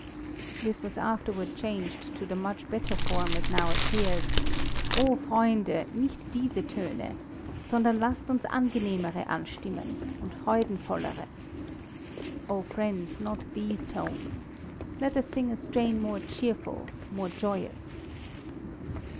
'" This was afterward changed to the much better form as now appears, "O Freunde, nicht diese Töne! sondern lasst uns angenehmere anstimmen, und freudenvollere." (O friends, not these tones. Let us sing a strain more cheerful, more joyous.)